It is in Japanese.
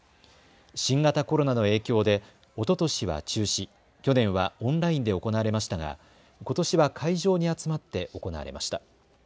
新型コロナの影響でおととしは中止、去年はオンラインで行われましたがことしは会場に集まって行われました。